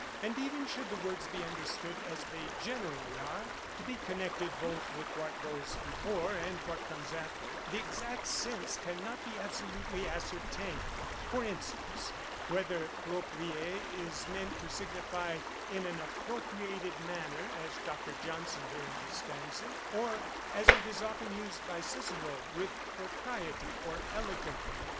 And even should the words be understood as they generally are, to be connected both with what goes before and what comes after, the exact sense cannot be absolutely ascertained; for instance, whether propriè is meant to signify in an appropriated manner, as Dr. Johnson here understands it, or, as it is often used by Cicero, with propriety, or elegantly.